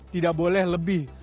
tidak boleh lebih